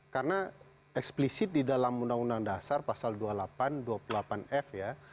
karena eksplisit di dalam undang undang dasar pasal dua puluh delapan dua puluh delapan f ya